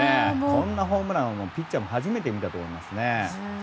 こんなホームランはピッチャーも初めて見たと思いますよね。